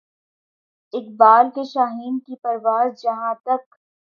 اقبال کے شاھین کی پرواز جہاں تک